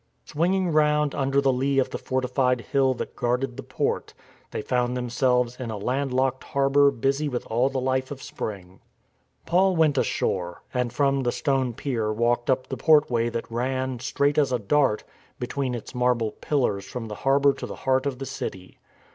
Swinging round under the lee of the fortified hill that guarded the port, they found themselves in a land locked harbour busy with all the life of spring, Paul went ashore, and from the stone pier walked up the portway that ran, straight as a dart, between its marble pillars from the harbour to the heart of the city.